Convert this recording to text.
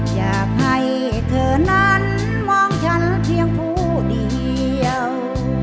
อยากให้เธอนั้นมองฉันเพียงผู้เดียว